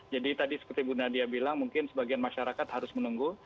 jadi tadi seperti bu nadia bilang mungkin sebagian masyarakat harus menunggu